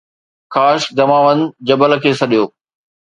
خاشق Damavand جبل کي سڏيو